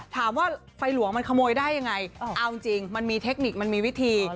ถามว่าไฟหลวงมันขโมยได้ยังไงเอาจริงมันมีเทคนิคมันมีวิธี